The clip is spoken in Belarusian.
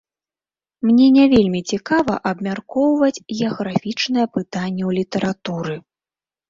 Мне не вельмі цікава абмяркоўваць геаграфічнае пытанне ў літаратуры.